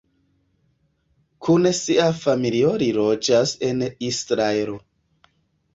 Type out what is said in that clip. Kun sia familio li loĝas en Israelo.